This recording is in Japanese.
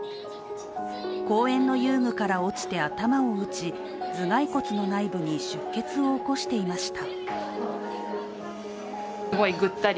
公園の遊具から落ちて頭を打ち頭蓋骨の内部に出血を起こしていました。